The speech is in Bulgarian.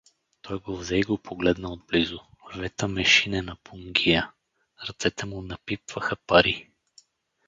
Той го взе и го погледна отблизо: вета мешинена пунгия, ръцете му напипваха пари.